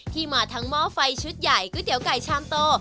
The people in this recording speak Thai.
มาทั้งหม้อไฟชุดใหญ่ก๋วยเตี๋ยวไก่ชามโต